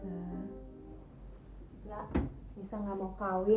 nisa tidak mau kawin